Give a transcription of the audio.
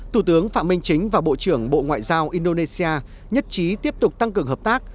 thủ tướng phạm minh chính và bộ trưởng bộ ngoại giao indonesia nhất trí tiếp tục tăng cường hợp tác